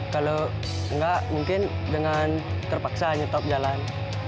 kalau enggak mungkin dengan terpaksa nyetop jalan